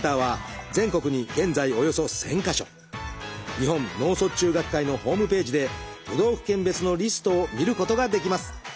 日本脳卒中学会のホームページで都道府県別のリストを見ることができます。